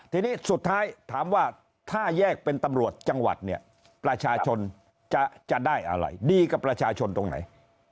ทีนี้สุดท้ายถามว่าถ้าแยกเป็นตำรวจจังหวัดเนี่ยประชาชนจะได้อะไรดีกับประชาชนตรงไหน